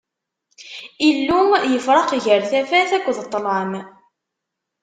Illu yefṛeq gar tafat akked ṭṭlam.